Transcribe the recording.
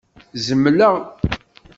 Zemleɣ?